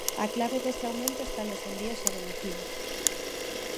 A clave dese aumento está nos envíos a domicilio.